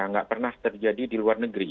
nggak pernah terjadi di luar negeri